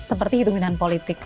seperti hitung hitungan politik